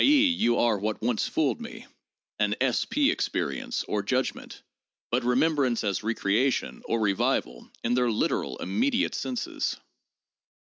e., you are what once fooled me (an 8 P experience, or judgment), but remembrance as recreation, or revival, in their literal immediate senses.